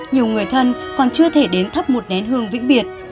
nhiều người thân còn chưa thể đến thắp một nén hương vĩnh biệt